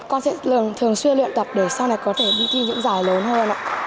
con sẽ thường xuyên luyện tập để sau này có thể đi thi những giải lớn hơn ạ